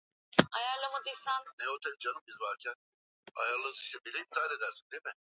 Julius Kambarage Nyerere Kiongozi mkuu wa Tanganyika Afrika umoja wa kitaifa